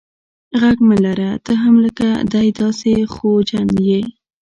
ږغ مه لره ته هم لکه دی داسي خوجن یې.